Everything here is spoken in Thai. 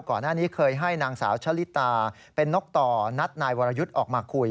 ก่อนหน้านี้เคยให้นางสาวชะลิตาเป็นนกต่อนัดนายวรยุทธ์ออกมาคุย